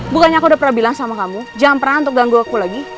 bukannya aku udah pernah bilang sama kamu jangan pernah untuk ganggu aku lagi